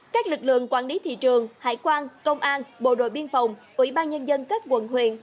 các lực lượng quản lý thị trường hải quan công an bộ đội biên phòng ủy ban nhân dân các quận huyện